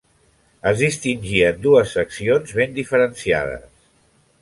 Es distingien dues seccions ben diferenciades.